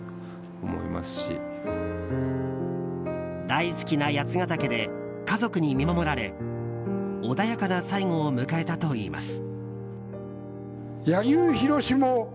大好きな八ケ岳で家族に見守られ穏やかな最期を迎えたといいます。